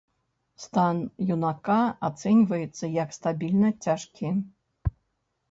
Стан юнака ацэньваецца як стабільна цяжкі.